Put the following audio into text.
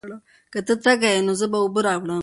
که ته تږی یې، نو زه به اوبه راوړم.